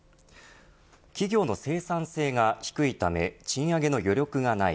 企業の生産性が低いため賃上げの余力がない。